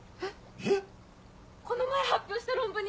えっ？